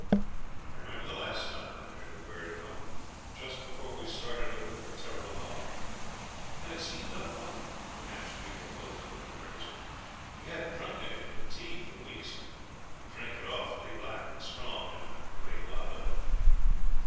I remembered the last time I had heard the bird at home, just before we started over for Terrible Hollow, and it seemed unlucky. Perhaps we were both a little nervous; we hadn't drunk anything but tea for weeks. We drank it awfully black and strong, and a great lot of it.